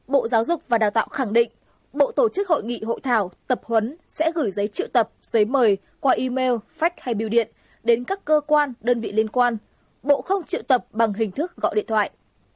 bộ giáo dục và đào tạo khẳng định bộ tổ chức hội nghị hội thảo tập huấn sẽ gửi giấy triệu tập giấy mời qua email fake hay biêu điện đến các cơ quan đơn vị liên quan bộ không triệu tập bằng hình thức gọi điện thoại